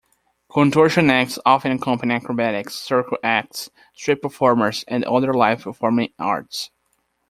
Contortion acts often accompany acrobatics, circus acts, street performers and other live performing arts.